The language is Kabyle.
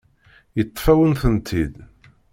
Yeṭṭef-awen-tent-id.